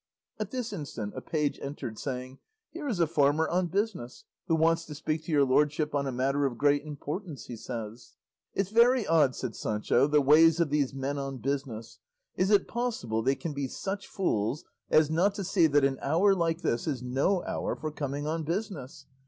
At this instant a page entered saying, "Here is a farmer on business, who wants to speak to your lordship on a matter of great importance, he says." "It's very odd," said Sancho, "the ways of these men on business; is it possible they can be such fools as not to see that an hour like this is no hour for coming on business?